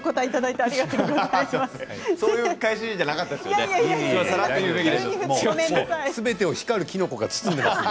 そういう返しじゃなかったんですよね、すみません。